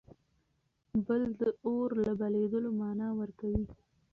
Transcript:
بل د اور له بلېدلو مانا ورکوي.